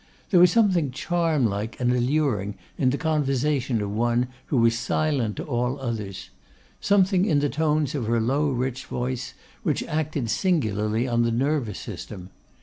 There was something charm like and alluring in the conversation of one who was silent to all others; something in the tones of her low rich voice which acted singularly on the nervous system.